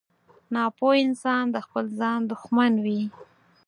• ناپوه انسان د خپل ځان دښمن وي.